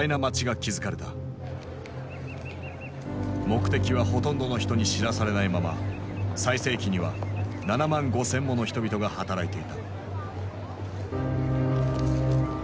目的はほとんどの人に知らされないまま最盛期には７万５，０００もの人々が働いていた。